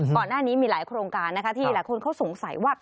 ก่อนหน้านี้มีหลายโครงการนะคะที่หลายคนเขาสงสัยว่า